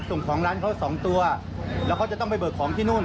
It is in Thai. ของร้านเขาสองตัวแล้วเขาจะต้องไปเบิกของที่นู่น